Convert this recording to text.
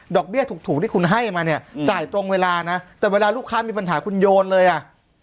เบี้ยถูกที่คุณให้มาเนี่ยจ่ายตรงเวลานะแต่เวลาลูกค้ามีปัญหาคุณโยนเลยอ่ะ